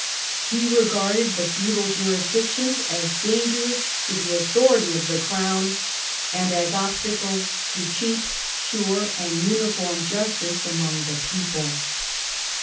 He regarded the feudal jurisdictions as dangerous to the authority of the crown and as obstacles to cheap, sure, and uniform justice among the people.